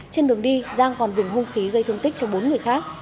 trên đường đi giang còn dùng hung khí gây thương tích cho bốn người khác